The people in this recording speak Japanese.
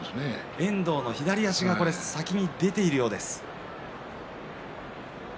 遠藤の左足が先に出ているようです。